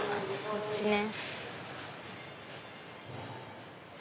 こっちね。